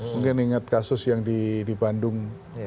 mungkin ingat kasus yang di bandung